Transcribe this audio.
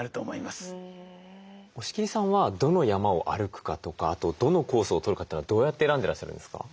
押切さんはどの山を歩くかとかあとどのコースをとるかというのはどうやって選んでらっしゃるんですか？